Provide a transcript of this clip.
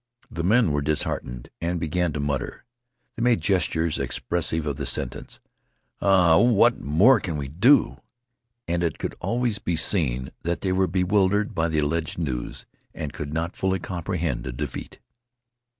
The men were disheartened and began to mutter. They made gestures expressive of the sentence: "Ah, what more can we do?" And it could always be seen that they were bewildered by the alleged news and could not fully comprehend a defeat.